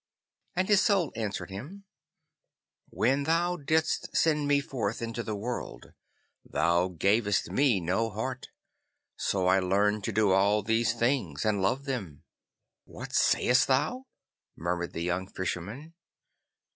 And his Soul answered him, 'When thou didst send me forth into the world thou gavest me no heart, so I learned to do all these things and love them.' 'What sayest thou?' murmured the young Fisherman.